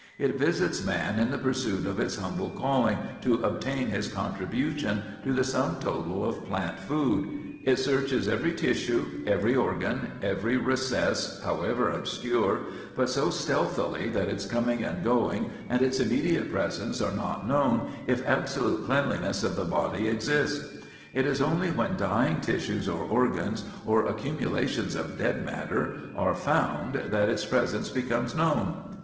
It visits man in the pursuit of its humble calling to obtain his contribution to the sum total of plant food. It searches every tissue, every organ, every recess, however obscure, but so stealthily that its coming and going and its immediate presence are not known if absolute cleanliness of the body exists. It is only when dying tissues or organs, or accumulations of dead matter, are found that its presence becomes known.